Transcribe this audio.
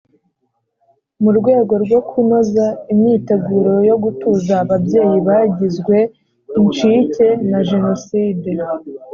Mu rwego rwo kunoza imyiteguro yo gutuza ababyeyi bagizwe incike na Jenoside